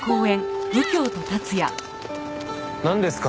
なんですか？